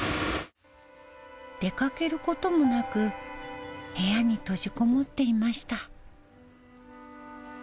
出かけることもなく、部屋に閉じこもっていました。